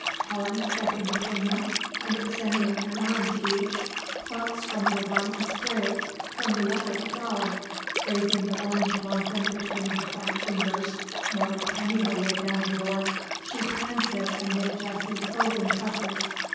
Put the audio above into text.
Helen, stepping between them, and extending an arm to each, plucks from the one a sprig, from the other a flower. Raising the orange blossom between her white fingers, more attenuated than of yore, she plants it amid Jessie's golden tresses.